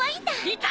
・いた！